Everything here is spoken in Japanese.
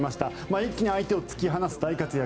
一気に相手を突き放す大活躍。